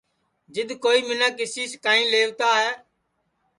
جِدؔ کوئی مینکھ کسی سے کانئیں لَیوتا ہے